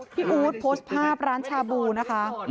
อู๊ดโพสต์ภาพร้านชาบูนะคะ